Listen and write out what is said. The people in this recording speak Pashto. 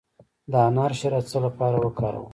د انار شیره د څه لپاره وکاروم؟